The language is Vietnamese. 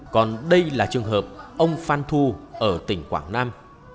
còn đây là trường hợp ông phan thu ở tỉnh quảng nam